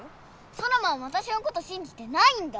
ソノマもわたしのことしんじてないんだ。